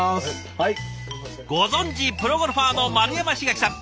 ご存じプロゴルファーの丸山茂樹さん。